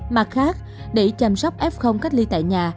mặt khác để chăm sóc f cách ly tại nhà